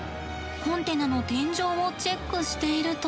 コンテナの天井をチェックしていると。